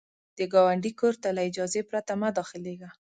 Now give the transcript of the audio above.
د ګاونډي کور ته له اجازې پرته مه داخلیږه